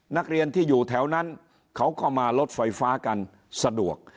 นักเรียนที่อยู่แถวนั้นเขาก็มารถไฟฟ้ากันสะดวก